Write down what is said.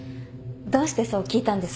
どうしてそう聞いたんです？